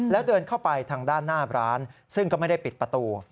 แล้วเดินเข้าไปทางด้านหน้าร้านซึ่งก็ไม่ได้ปิดประตู